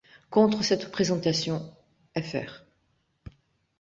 Contre cette présentation, Fr.